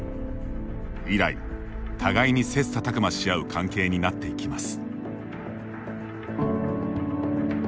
以来、互いに切磋琢磨し合う関係になっていきます。